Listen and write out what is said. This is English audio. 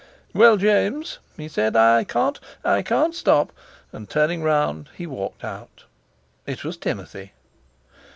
"Well, James," he said, "I can't—I can't stop," and turning round, he walked out. It was Timothy.